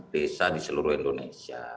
desa di seluruh indonesia